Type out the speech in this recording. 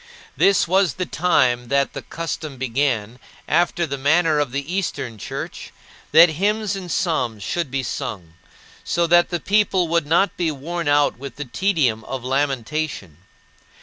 This was the time that the custom began, after the manner of the Eastern Church, that hymns and psalms should be sung, so that the people would not be worn out with the tedium of lamentation.